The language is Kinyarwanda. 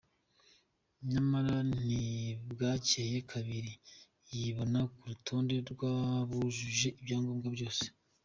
Nyamara ntibwakeye kabiri, yibona ku rutonde rw’abujuje ibyangombwa byose.